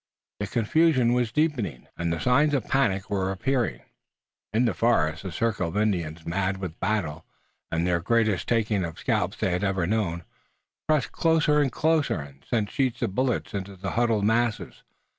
The confusion was deepening, and the signs of a panic were appearing. In the forest the circle of Indians, mad with battle and the greatest taking of scalps they had ever known, pressed closer and closer, and sent sheets of bullets into the huddled mass.